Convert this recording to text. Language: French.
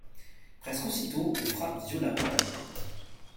Presque aussitôt on frappe violemment à la porte.